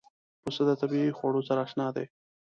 پسه د طبیعي خوړو سره اشنا دی.